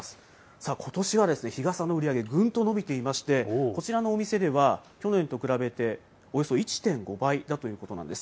さあ、ことしは日傘の売り上げぐんと伸びていまして、こちらのお店では、去年と比べておよそ１．５倍だということなんです。